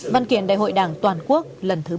văn kiện đại hội đảng toàn quốc lần thứ một mươi ba